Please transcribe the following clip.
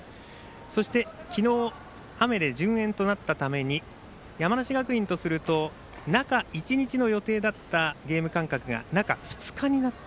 そして昨日、雨で順延となったために山梨学院とすると中１日の予定だったゲーム間隔が中２日になった。